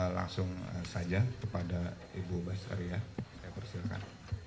langsung saja kepada ibu basaria saya persilahkan